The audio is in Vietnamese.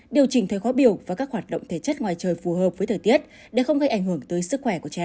điều chỉnh thời khóa biểu và các hoạt động thể chất ngoài trời phù hợp với thời tiết để không gây ảnh hưởng tới sức khỏe của trẻ